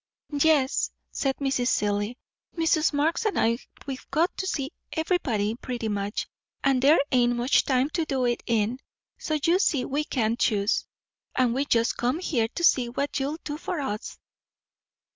"Yes," said Mrs. Seelye. "Mrs. Marx and I, we've got to see everybody, pretty much; and there ain't much time to do it in; so you see we can't choose, and we just come here to see what you'll do for us."